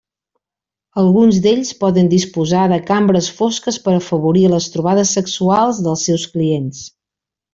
Alguns d'ells poden disposar de cambres fosques per afavorir les trobades sexuals dels seus clients.